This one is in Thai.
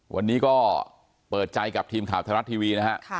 วันนี้ก็เปิดใจกับทีมข่าวไทยรัฐทีวีนะฮะ